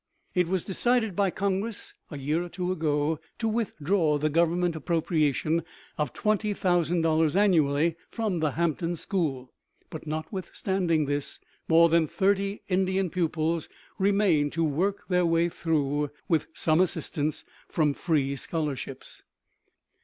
It was decided by Congress a year or two ago to withdraw the Government appropriation of $20,000 annually from the Hampton school, but notwithstanding this, more than thirty Indian pupils remain to work their way through, with some assistance from free scholarships.